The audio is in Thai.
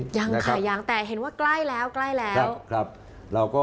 ยังค่ะยังแต่เห็นว่ากล้ายแล้วกล้ายแล้ว